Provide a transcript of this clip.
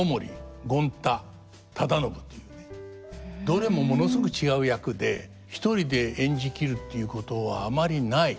どれもものすごく違う役で一人で演じ切るっていうことはあまりない至難の三役。